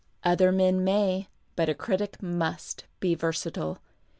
Other men may, but a critic must, be versatile.